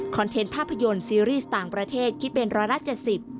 เทนต์ภาพยนตร์ซีรีส์ต่างประเทศคิดเป็นร้อยละเจ็ดสิบ